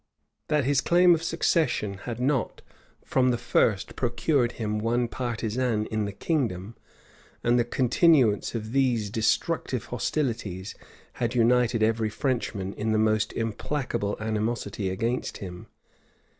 That his claim of succession had not from the first procured him one partisan in the kingdom; and the continuance of these destructive hostilities had united every Frenchman in the most implacable animosity against him.